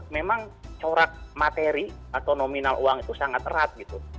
memang corak materi atau nominal uang itu sangat erat gitu